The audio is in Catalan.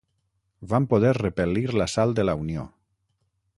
Van poder repel·lir l'assalt de la Unió.